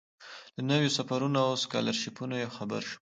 له نویو سفرونو او سکالرشیپونو یې خبر شم.